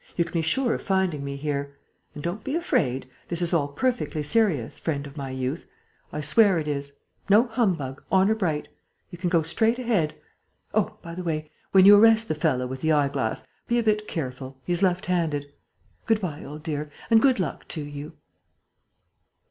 You can be sure of finding me here. And don't be afraid: this is all perfectly serious, friend of my youth; I swear it is. No humbug, honour bright. You can go straight ahead. Oh, by the way, when you arrest the fellow with the eyeglass, be a bit careful: he is left handed! Good bye, old dear, and good luck to you!"